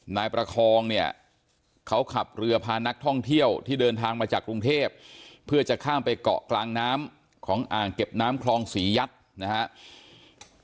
นายประคองเนี่ยเขาขับเรือพานักท่องเที่ยวที่เดินทางมาจากกรุงเทพเพื่อจะข้ามไปเกาะกลางน้ำของอ่างเก็บน้ำคลองศรียัดนะครับ